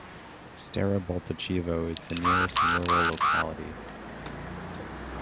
Starobaltachevo is the nearest rural locality.